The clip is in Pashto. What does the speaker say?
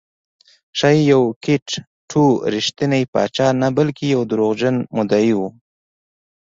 ښایي یوکیت ټو رښتینی پاچا نه بلکې یو دروغجن مدعي و